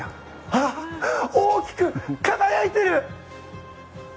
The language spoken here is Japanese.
ああ、大きく輝いてる！